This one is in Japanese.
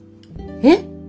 えっ！？